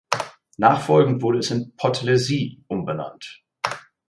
Nachfolgend wurde es in "Podlesie" umbenannt.